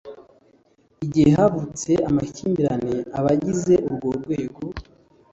Igihe havutse amakimbirane abagize urwo rwego